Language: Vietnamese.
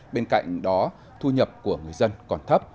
bên cạnh đó thu nhập của người dân còn thấp